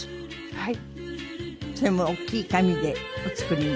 はい。